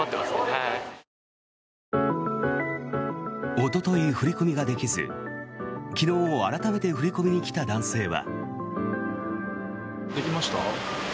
おととい振り込みができず昨日、改めて振り込みに来た男性は。